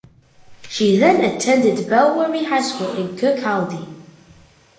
She then attended Balwearie High School in Kirkcaldy.